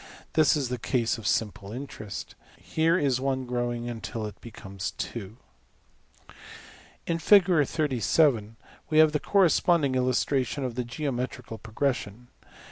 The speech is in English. This is the case of simple interest. Here is $1$~growing till it becomes~$2$. In \Fig, we have the corresponding illustration of the geometrical progression.